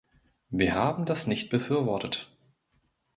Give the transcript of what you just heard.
Wir haben das nicht befürwortet.